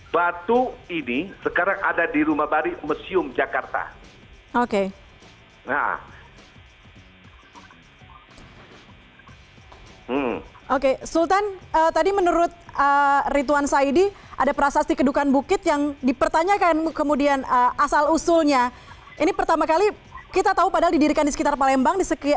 batu ini sekarang ada di rumah bari mesium jakarta